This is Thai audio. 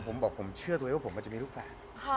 ผมบอกผมเชื่อตัวเองว่าผมอาจจะมีลูกแฝด